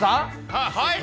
はい？